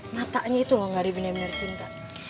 matanya itu loh gak ada biner biner cinta